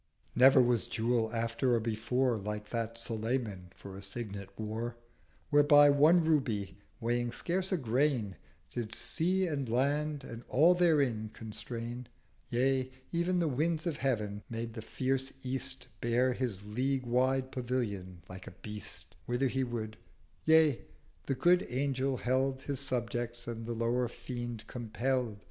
Never was Jewel after or before 380 Like that Sulayman for a Signet wore: Whereby one Ruby, weighing scarce a grain Did Sea and Land and all therein constrain, Yea, ev'n the Winds of Heav'n—made the fierce East Bear his League wide Pavilion like a Beast, Whither he would: yea, the Good Angel held His subject, and the lower Fiend compell'd.